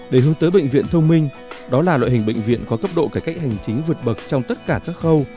để hướng tới bệnh viện thông minh đó là loại hình bệnh viện có cấp độ cải cách hành chính vượt bậc trong tất cả các khâu